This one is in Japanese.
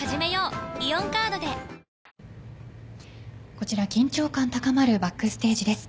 こちら、緊張感高まるバックステージです。